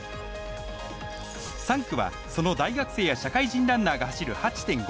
３区は、その大学生や社会人ランナーが走る８．５ｋｍ。